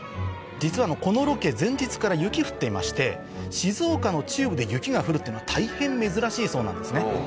実はこのロケ前日から雪降っていまして静岡の中部で雪が降るっていうのは大変珍しいそうなんですね。